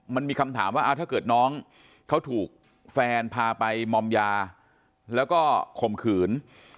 มันมีคำถามว่าถ้าเกิดน้องเขาถูกแฟนพาไปมอมยาแล้วก็ข่มขืน